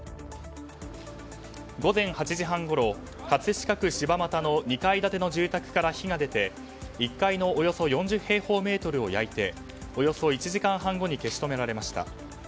午前８時半ごろ、葛飾区柴又の２階建ての住宅から火が出て１階のおよそ４０平方メートルを焼いておよそ１時間半後に消し止められました。